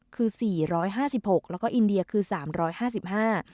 คือสี่ร้อยห้าสิบหกแล้วก็อินเดียคือสามร้อยห้าสิบห้า